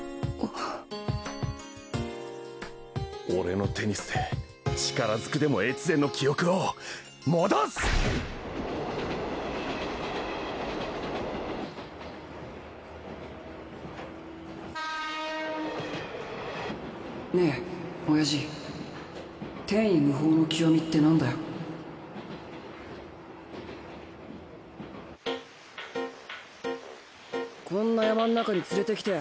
俺のテニスで力ずくでも越前の記憶を戻す！ねぇおやじ天衣無縫の極みって何だこんな山ん中に連れてきて。